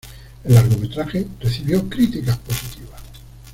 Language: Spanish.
El largometraje recibió críticas positivas.